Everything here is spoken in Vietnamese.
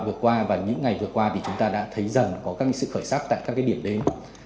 vừa qua và những ngày vừa qua thì chúng ta đã thấy dần có các sự khởi sắc tại các điểm đến